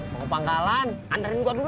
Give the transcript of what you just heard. mau ke panggalan andarin gua dulu